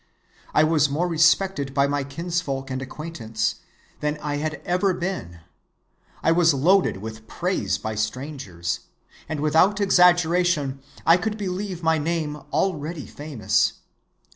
I was more respected by my kinsfolk and acquaintance than I had ever been; I was loaded with praise by strangers; and without exaggeration I could believe my name already famous.